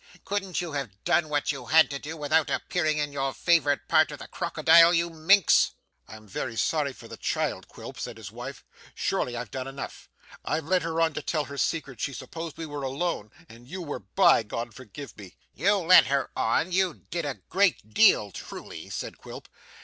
Couldn't you have done what you had to do, without appearing in your favourite part of the crocodile, you minx?' 'I am very sorry for the child, Quilp,' said his wife. 'Surely I've done enough. I've led her on to tell her secret she supposed we were alone; and you were by, God forgive me.' 'You led her on! You did a great deal truly!' said Quilp.